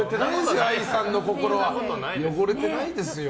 愛さんの心は汚れてないですよ。